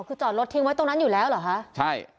คือจอดรถทิ้งไว้ตรงนั้นอยู่แล้วเหรอคะใช่